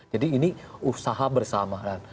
jadi ini usaha bersamaan